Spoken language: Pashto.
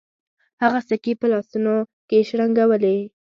هغه سکې په لاسونو کې شرنګولې.